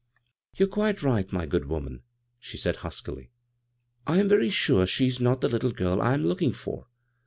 "You're quite right, my good woman," ^e said huskily. " I am very sure she is not the tittle girl I am looking for.